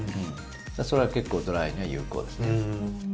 それは結構ドライアイには有効ですね。